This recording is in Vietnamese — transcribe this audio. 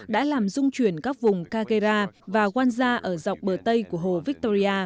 đã làm dung chuyển các vùng kagerra và wansa ở dọc bờ tây của hồ victoria